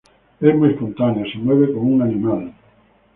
Es muy espontáneo, se mueve como un animal.